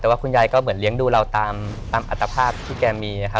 แต่ว่าคุณยายก็เหมือนเลี้ยงดูเราตามอัตภาพที่แกมีครับ